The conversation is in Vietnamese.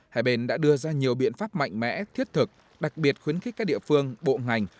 hai bên đã đưa ra nhiều biện pháp mạnh mẽ thiết thực đặc biệt khuyến khích các địa phương bộ ngành